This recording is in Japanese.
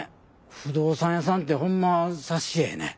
不動産屋さんってほんま察しええね。